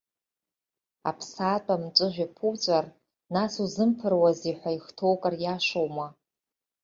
Аԥсаатә амҵәыжәҩа ԥуҵәар, нас узымԥыруазеи ҳәа ихҭоукыр иашоума?